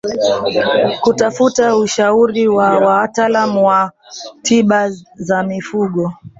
Kutafuta ushauri wa wataalamu wa tiba za mifugo